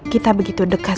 kita begitu dekat